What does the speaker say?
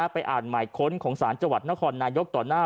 ไปอ่านหมายค้นของสารจลนครนายกดต่อหน้า